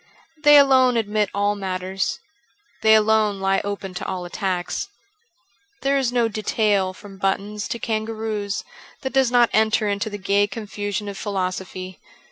They alone admit all matters : they alone lie open to all attacks. ... There is no detail from buttons to kangaroos that does not enter into the gay confusion of philo sophy.